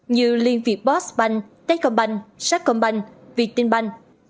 như liên viện postbank techcombank saccombank vietinbank